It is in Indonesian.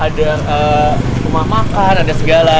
ada rumah makan ada segala